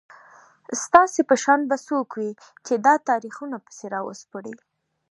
ستاسو په شان به څوک وي چي دا تاریخونه پسي راوسپړي